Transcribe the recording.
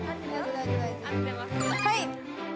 はい！